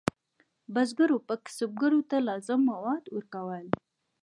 بزګرو به کسبګرو ته لازم مواد ورکول.